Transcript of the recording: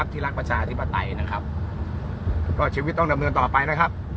ที่รักประชาธิปไตยนะครับก็ชีวิตต้องดำเนินต่อไปนะครับ